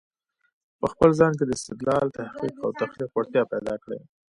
په خپل ځان کې د استدلال، تحقیق او تخليق وړتیا پیدا کړی